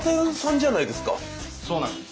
そうなんです。